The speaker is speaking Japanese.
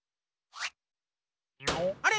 あれ？